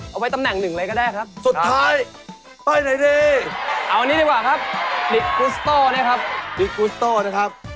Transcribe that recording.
เอาไว้ที่สองนะครับ